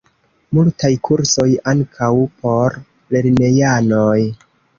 Multaj kursoj, ankaŭ por lernejanoj.